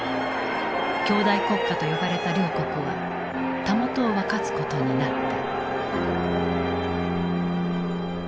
兄弟国家と呼ばれた両国はたもとを分かつことになった。